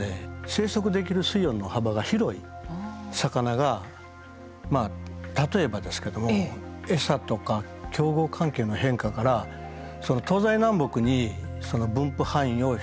生息できる水温の幅が広い魚がまあ例えばですけども餌とか競合関係の変化からその東西南北に分布範囲を広げてるのかもしれません。